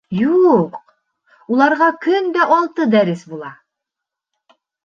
— Юҡ, уларға көн дә алты дәрес була.